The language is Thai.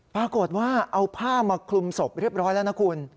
ปรากฏว่าเอาผ้ามาคลุมศพเรียบร้อยแล้วนะคุณ